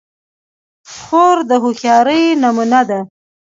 خور د هوښیارۍ نمونه ده.